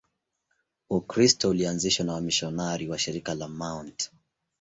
Ukristo ulianzishwa na wamisionari wa Shirika la Mt.